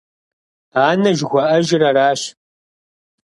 Анэ жыхуаӀэжыр аращ!